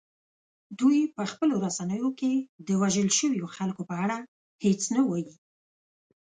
دوی په خپلو رسنیو کې د وژل شویو خلکو په اړه هیڅ نه وايي